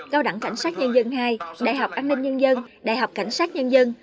cao đẳng cảnh sát nhân dân hai đại học an ninh nhân dân đại học cảnh sát nhân dân